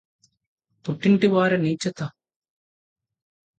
పుట్టింటి వారి నీచతఁ